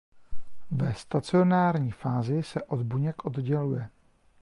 Ve stacionární fázi se od buněk odděluje.